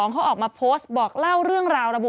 เขาออกมาโพสต์บอกเล่าเรื่องราวระบุ